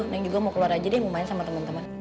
neng juga mau keluar aja deh mau main sama teman teman